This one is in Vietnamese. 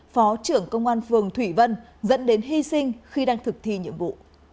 phó trưởng công an phường thủy vân dẫn đến hy sinh khi đang thực thi nhiệm vụ